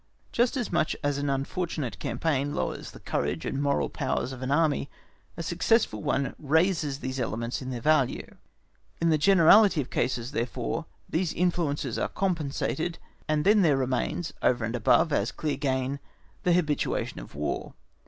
Just as much as an unfortunate campaign lowers the courage and moral powers of an Army, a successful one raises these elements in their value. In the generality of cases, therefore, these influences are compensated, and then there remains over and above as clear gain the habituation to War.